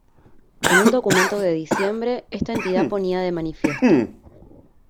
En un documento de diciembre esta entidad ponía de manifiesto